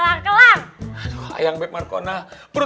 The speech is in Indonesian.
laper banget belum makan dari seribu sembilan ratus satu